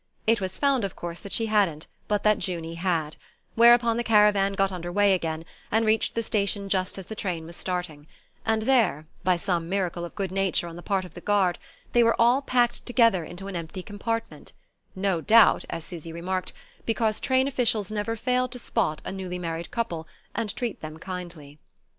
It was found of course that she hadn't but that Junie had; whereupon the caravan got under way again, and reached the station just as the train was starting; and there, by some miracle of good nature on the part of the guard, they were all packed together into an empty compartment no doubt, as Susy remarked, because train officials never failed to spot a newly married couple, and treat them kindly.